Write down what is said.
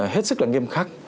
hết sức là nghiêm khắc